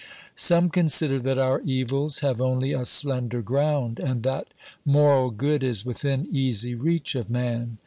328 OBERMANN Some consider that our evils have only a slender ground, and that moral good is within easy reach of man.